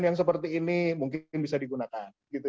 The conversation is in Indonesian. yang seperti ini mungkin bisa digunakan